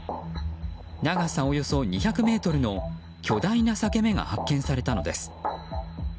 長さおよそ２００ｍの巨大な裂け目が発見されたのです。